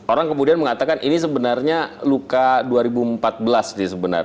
orang kemudian mengatakan ini sebenarnya luka dua ribu empat belas sih sebenarnya